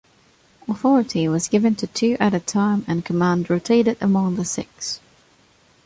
Authority was given to two at a time, and command rotated among the six.